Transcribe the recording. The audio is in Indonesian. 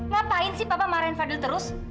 ngapain sih papa marahin fadil terus